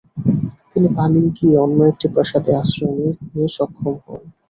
তিনি পালিয়ে গিয়ে অন্য একটি প্রাসাদে আশ্রয় নিয়ে সক্ষম হন।